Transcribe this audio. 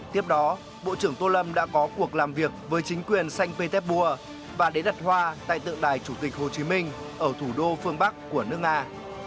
tiếp đó bộ trưởng tô lâm đã có cuộc làm việc với chính quyền sanh petersburg và đế đặt hoa tại tượng đài chủ tịch hồ chí minh ở thủ đô phương bắc của nước nga